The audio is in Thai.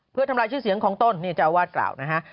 เพื่อทำลายชื่อเสียงของตนนี่เจ้าวาดกล่าวนะฮะ